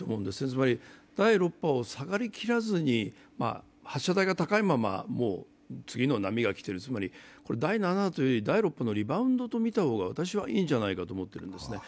つまり第６波を下がりきらずに発射台が高いままもう次の波が来ている、第７というより、第６のリバウンドとみた方が私はいいんじゃないかと思っているんですね。